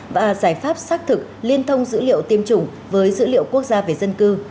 và giải pháp xác thực liên thông dữ liệu tiêm chủng với dữ liệu quốc gia về dân cư